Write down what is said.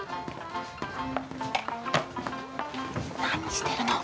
何してるの？